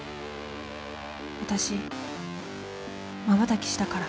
わたしまばたきしたから。